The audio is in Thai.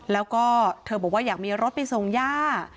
แล้วก็เธอบอกว่าอยากมีรถไปส่งย่า